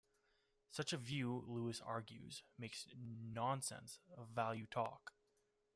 Such a view, Lewis argues, makes nonsense of value talk.